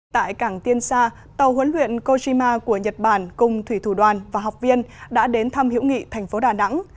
tại cảng tiên sa tàu huấn luyện kojima của nhật bản cùng thủy thủ đoàn và học viên đã đến thăm hiểu nghị thành phố đà nẵng